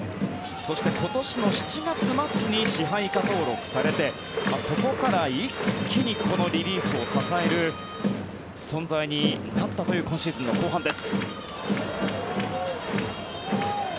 そして今年の７月末に支配下登録されてそこから一気にこのリリーフを支える存在になったという今シーズンの後半です。